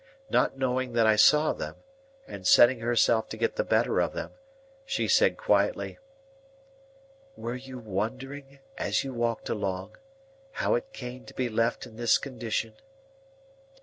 Not knowing that I saw them, and setting herself to get the better of them, she said quietly,— "Were you wondering, as you walked along, how it came to be left in this condition?"